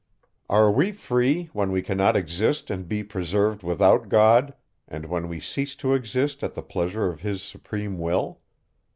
Are we free, when we cannot exist and be preserved without God, and when we cease to exist at the pleasure of his supreme will?